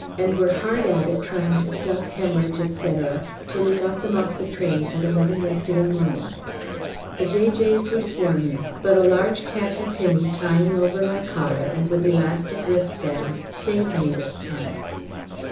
and were hard at it trying to stop hæmorrhage, &c., till we got them off the train at 11 yesterday morning; the J.J.'s were swarming, but a large khaki pinny tying over my collar, and with elastic wristbands, saved me this time.